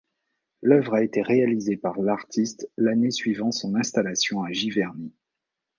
L'œuvre a été réalisée par l'artiste l'année suivant son installation à Giverny.